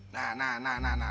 nah nah nah nah nah